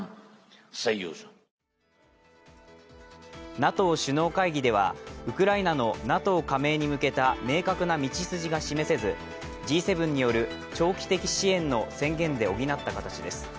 ＮＡＴＯ首脳会議ではウクライナのＮＡＴＯ加盟に向けた明確な道筋が示せずＧ７による長期的支援の宣言で補った形です。